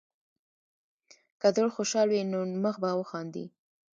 که زړه خوشحال وي، نو مخ به وخاندي.